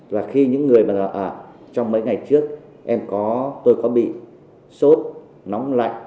và khi những người bà nói à trong mấy ngày trước em có tôi có bị sốt nóng lạnh